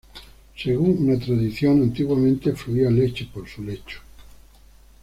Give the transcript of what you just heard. Según una tradición, antiguamente fluía leche por su lecho.